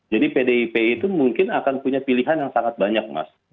jadi pdip itu mungkin akan punya pilihan yang sangat banyak mas